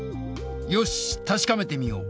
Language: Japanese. よし確かめてみよう。